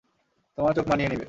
তোমার চোখ মানিয়ে নিবে।